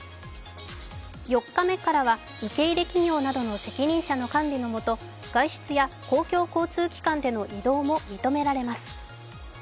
４日目からは受け入れ企業などの責任者の管理のもと、外出や公共交通機関での移動も認められます。